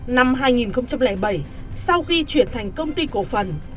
năm hai nghìn bảy sau khi chuyển thành công ty cổ phần